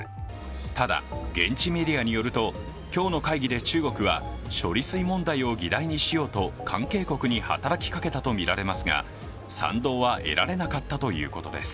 ただ現地メディアによると今日の会議で、中国は処理水問題を議題にしようと関係国に働きかけたとみられますが、賛同は得られなかったということでは。